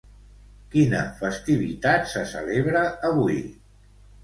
Quina festivitat se celebra avui?